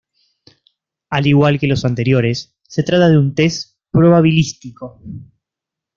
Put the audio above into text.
Al igual que los anteriores, se trata de un test probabilístico.